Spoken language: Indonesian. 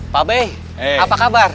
pak be apa kabar